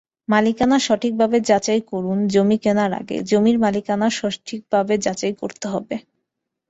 মালিকানা সঠিকভাবে যাচাই করুনজমি কেনার আগে জমির মালিকানা সঠিকভাবে যাচাই করতে হবে।